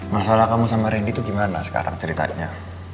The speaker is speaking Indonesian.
masalah kamu sama randy itu gimana sekarang ceritanya